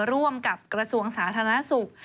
ร่วมกับกระทรวงสาธารณสุข